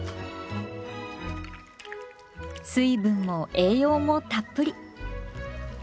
水分も栄養もたっぷり。